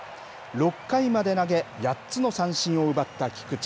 ６回まで投げ、８つの三振を奪った菊池。